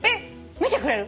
見てくれる？